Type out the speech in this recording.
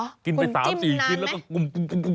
หรอคุณจิ้มนานไหมอ๋อคุณกินเยอะอันนั้นอ่ะ